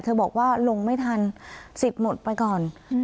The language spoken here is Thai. บอกว่าลงไม่ทันสิทธิ์หมดไปก่อน